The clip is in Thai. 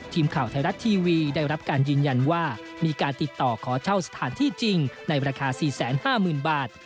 ทีมข่าวไทยรัฐทีวีได้รับการยืนยันว่ามีการติดต่อขอเช่าสถานที่จริงในราคา๔๕๐๐๐บาท